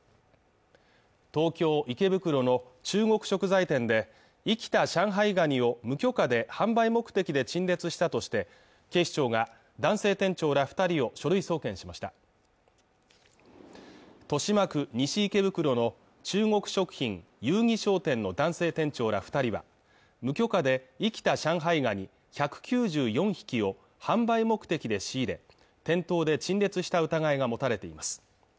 東京・池袋の中国食材店で生きた上海ガニを無許可で販売目的で陳列したとして警視庁が男性店長ら二人を書類送検しました豊島区西池袋の中国食品友誼商店の男性店長ら二人は無許可で生きた上海ガニ１９４匹を販売目的で仕入れ店頭で陳列した疑いが持たれています